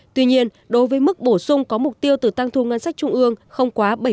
tuy nhiên đối với mức bổ sung có mục tiêu từ tăng thu ngân sách trung ương không quá bảy mươi